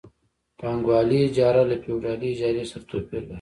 پانګوالي اجاره له فیوډالي اجارې سره توپیر لري